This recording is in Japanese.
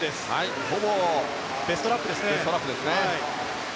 ほぼベストラップですね。